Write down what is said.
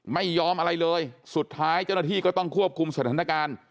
ไม่ยอมอะไรเลยสุดท้ายเจ้าหน้าที่ก็ต้องควบคุมสถานการณ์